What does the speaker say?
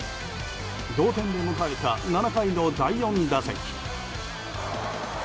同点で迎えた７回の第４打席。